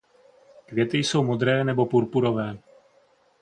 Květy jsou modré nebo purpurové.